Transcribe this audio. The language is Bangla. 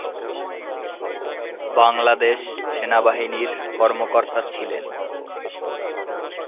বাংলাদেশ সেনাবাহিনীর কর্মকর্তা ছিলেন।